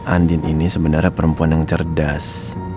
andi ini sebenernya perempuan yang cerdas